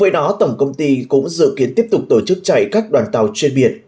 bó tổng công ty cũng dự kiến tiếp tục tổ chức chạy các đoàn tàu chuyên biệt